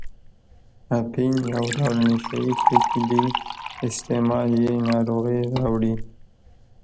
اپین یو ډول نشه یي توکي دي استعمال یې ناروغۍ راوړي.